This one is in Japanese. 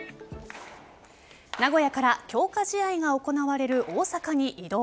名古屋から強化試合が行われる大阪に移動。